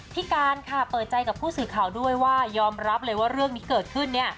พี่การค่ะเปิดใจกับผู้สื่อข่าวด้วยว่ายอมรับเลยว่าเรื่องนี้เกิดขึ้น